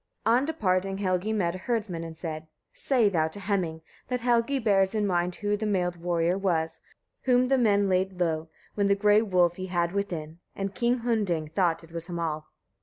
On departing Helgi met a herdsman, and said: 1. "Say thou to Heming, that Helgi bears in mind who the mailed warrior was, whom the men laid low, when the grey wolf ye had within, and King Hunding thought it was Hamal."